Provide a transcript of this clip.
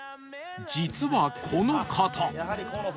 実はこの方